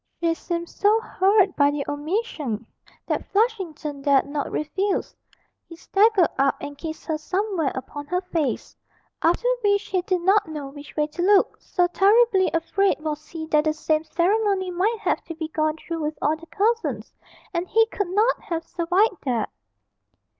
She seemed so hurt by the omission, that Flushington dared not refuse; he staggered up and kissed her somewhere upon her face after which he did not know which way to look, so terribly afraid was he that the same ceremony might have to be gone through with all the cousins, and he could not have survived that.